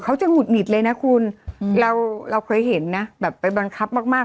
หงุดหงิดเลยนะคุณเราเราเคยเห็นนะแบบไปบังคับมากมาก